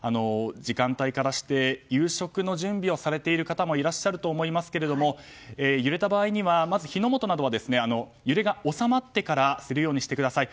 時間帯からして夕食の準備をされている方もいらっしゃると思いますが揺れた場合にはまず火の元などは揺れが収まってからするようにしてください。